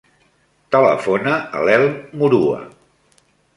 Telefona a l'Elm Murua.